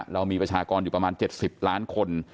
เรามีประชากรอยู่ประมาณ๗๐ล้านคน